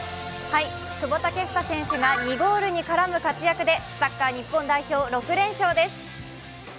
久保建英選手が２ゴールに絡む活躍でサッカー日本代表６連勝です。